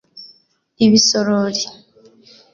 ibisorori